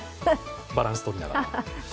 バランスとりながら。